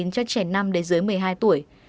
cho trẻ năm đến dưới một mươi hai tuổi